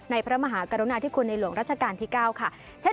พระมหากรุณาธิคุณในหลวงรัชกาลที่๙ค่ะ